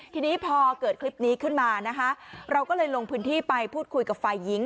ทีนี้พอเกิดคลิปนี้ขึ้นมานะคะเราก็เลยลงพื้นที่ไปพูดคุยกับฝ่ายหญิง